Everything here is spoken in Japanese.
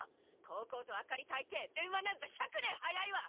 こうこうと明かりたいて電話なんざ１００年早いわ！